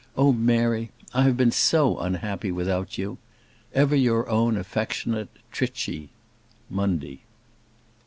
Oh, Mary! I have been so unhappy without you. Ever your own affectionate, TRICHY Monday.